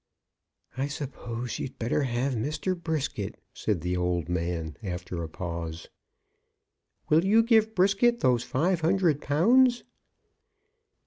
"I suppose you'd better have Mr. Brisket," said the old man, after a pause. "Will you give Brisket those five hundred pounds?"